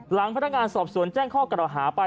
หลังพนักงานสอบสวนแจ้งข้อกล่าวหาไป